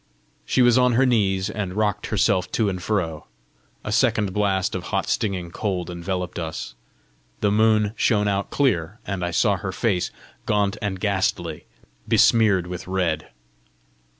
She was on her knees, and rocked herself to and fro. A second blast of hot stinging cold enveloped us; the moon shone out clear, and I saw her face gaunt and ghastly, besmeared with red.